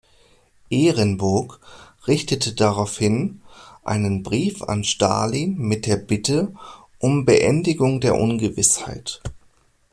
Ehrenburg richtete daraufhin einen Brief an Stalin mit der Bitte um „Beendigung der Ungewissheit“.